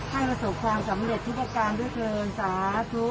ประสบความสำเร็จทุกประการด้วยเทินสาธุ